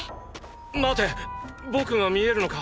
待て僕が見えるのか？